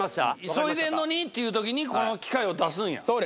急いでんのに！っていう時にこの機械を出すんや。